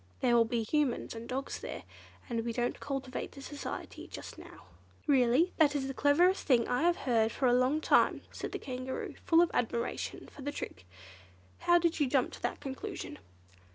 There will be Humans and dogs there, and we don't cultivate their society just now." "Really that is the cleverest thing I have heard for a long time," said the Kangaroo, full of admiration for the trick. "How did you jump to that conclusion?"